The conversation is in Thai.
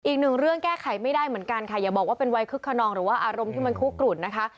อีกหนึ่งเรื่องแก้ไขไม่ได้เหมือนกันค่ะอย่าบอกว่าเป็นวัยคึกขนองหรือว่าอารมณ์ที่มันคุกกลุ่นนะคะ